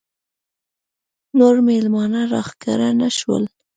نور مېلمانه راښکاره نه شول.